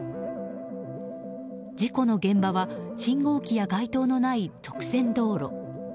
事故の現場は信号機や街灯のない直線道路。